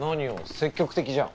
積極的じゃん。